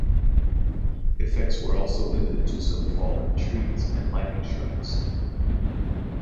Effects were also limited to some fallen trees and lightning strikes.